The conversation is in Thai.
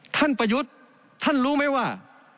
ประยุทธ์ท่านรู้ไหมว่า